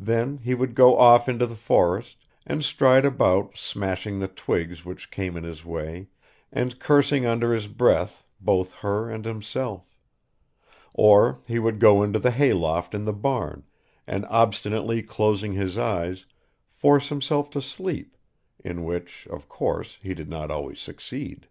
Then he would go off into the forest, and stride about smashing the twigs which came in his way and cursing under his breath both her and himself; or he would go into the hayloft in the barn, and obstinately closing his eyes, force himself to sleep, in which, of course, he did not always succeed.